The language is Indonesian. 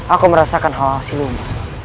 aku merasakan hasilmu